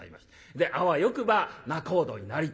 であわよくば仲人になりたいというね。